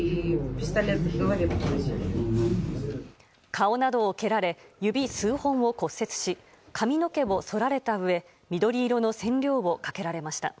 顔などを蹴られ指数本を骨折し髪の毛をそられたうえ緑色の染料をかけられました。